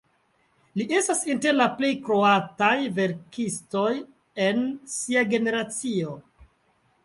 Li estas inter la plej kroataj verkistoj de sia generacio.